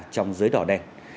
trong giới đỏ đen